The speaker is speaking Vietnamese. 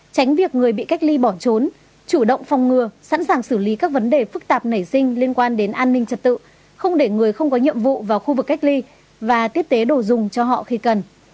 tránh việc người bị cách ly bỏ trốn chủ động phòng ngừa sẵn sàng xử lý các vấn đề phức tạp nảy sinh liên quan đến an ninh trật tự không để người không có nhiệm vụ vào khu vực cách ly và tiếp tế đồ dùng cho họ khi cần